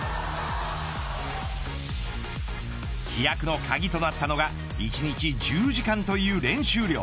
飛躍の鍵となったのが１日１０時間という練習量。